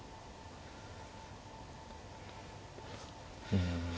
うん。